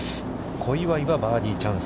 小祝はバーディーチャンス。